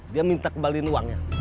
dia minta kembaliin uangnya